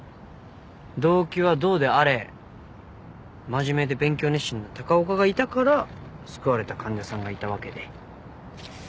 真面目で勉強熱心な高岡がいたから救われた患者さんがいたわけで。